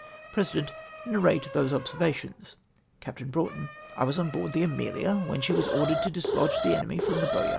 President. — "Narrate those observations." Capt. Broughtgn. — "I was on board the Amelia when she was ordered to dislodge the enemy from tlie Boyart * Sec vol.